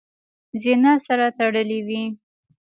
زینه سره تړلې وي .